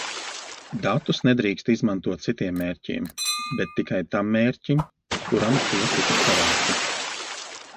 Datus nedrīkst izmantot citiem mērķiem, bet tikai tam mērķim, kuram tie tika savākti.